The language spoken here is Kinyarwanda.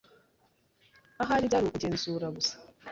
Ahari byari ukugenzura gusa.